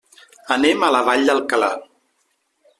Anem a la Vall d'Alcalà.